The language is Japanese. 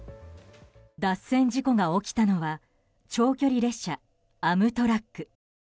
脱線事故が起きたのは長距離列車アムトラック。